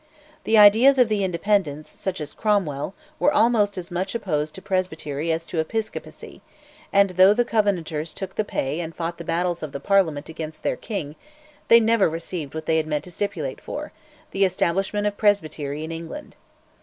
The ideas of the Independents, such as Cromwell, were almost as much opposed to presbytery as to episcopacy, and though the Covenanters took the pay and fought the battles of the Parliament against their king, they never received what they had meant to stipulate for, the establishment of presbytery in England.